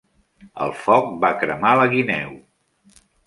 El foc va cremar la guineu.